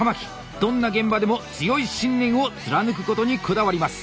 どんな現場でも強い信念を貫くことにこだわります。